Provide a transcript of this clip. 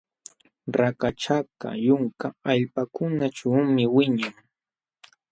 Rakachakaq yunka allpakunaćhuumi wiñan.